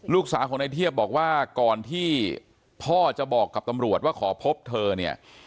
ลูกสาวของนายเทียบบอกว่าก่อนที่พ่อจะบอกกับตำรวจว่าขอพบเธอเนี่ย